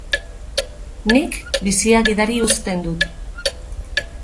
Nik, bizia gidari uzten dut.